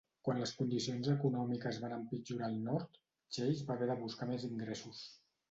Quan les condicions econòmiques van empitjorar al nord, Chase va haver de buscar més ingressos.